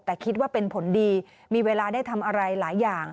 แต่คิดว่าเป็นผลดีมีเวลาได้ทำอะไรหลายอย่าง